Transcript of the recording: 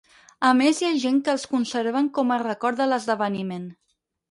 A més hi ha gent que els conserven com a record de l'esdeveniment.